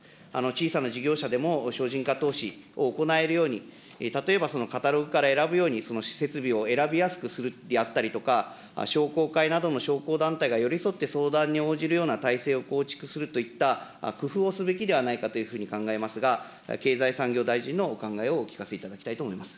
小さな事業者でも省人化投資を行えるように、例えば、カタログから選ぶように、設備を選びやすくするであったりとか、商工会などの商工団体が寄り添って相談に応じるような体制を構築するといった工夫をすべきではないかというふうに考えますが、経済産業大臣のお考えをお聞かせいただきたいと思います。